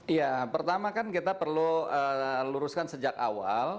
ya pertama kan kita perlu luruskan sejak awal